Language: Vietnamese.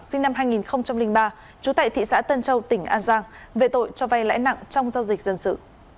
sinh năm hai nghìn ba trú tại thị xã tân châu tỉnh an giang về tội cho vay lãi nặng trong giao dịch dân sự